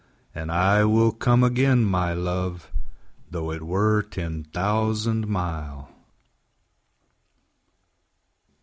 And I will come again, my Luve, 15 Tho' it were ten thousand mile.